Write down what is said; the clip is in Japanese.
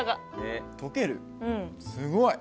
すごい！